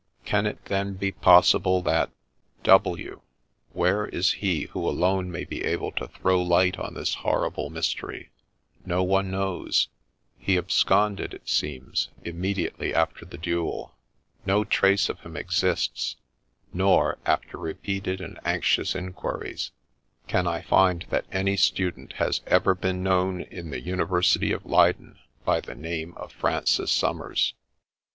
Can it then be possible that ? W ? where is he who alone may be able to throw light on this horrible mystery ?— No one knows. He absconded, it seems, immediately after the duel. No trace of him exists, nor, after repeated and anxious inquiries, can I find that any student has ever been known in the University of Leyden by the name of Francis Somers.